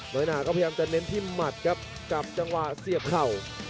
น้อยน่าก็เพียงจะเน้นที่มัดครับกับจังหว่าเสียบเข่า